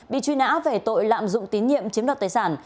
bị truy nã về tội lạm dụng tín nhiệm chiếm đoạt tài sản